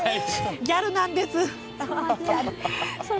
ギャルなんです。